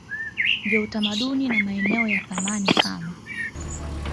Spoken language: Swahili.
vya utamaduni na maeneo ya thamani kama